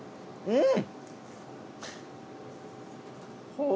うん！